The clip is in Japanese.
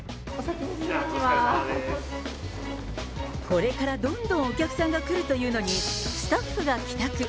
これからどんどんお客さんが来るというのに、スタッフが帰宅。